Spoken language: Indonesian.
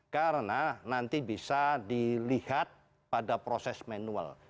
karena nanti bisa dilihat pada proses manual